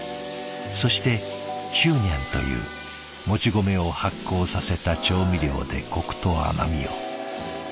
そしてチューニャンというもち米を発酵させた調味料でコクと甘みを。